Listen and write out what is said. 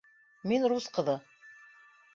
Мин рус ҡыҙы...